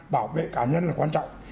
bảo vệ cá nhân là quan trọng